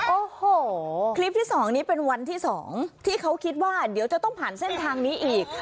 โอ้โหคลิปที่๒นี้เป็นวันที่๒ที่เขาคิดว่าเดี๋ยวจะต้องผ่านเส้นทางนี้อีก